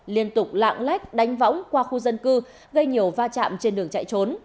liên tục lạng lách đánh võng qua khu dân cư gây nhiều va chạm trên đường chạy trốn